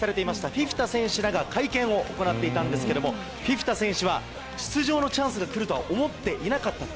フィフィタ選手らが会見を行っていたんですがフィフィタ選手は出場のチャンスが来るとは思っていなかったと。